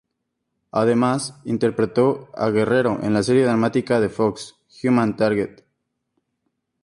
Además, interpretó a Guerrero en la serie dramática de Fox, "Human Target".